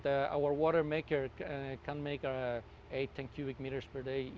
dan pembuat air kita bisa membuat delapan sepuluh kubik meter setiap hari dengan mudah